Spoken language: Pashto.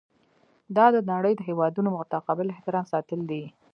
دا د نړۍ د هیوادونو متقابل احترام ساتل دي.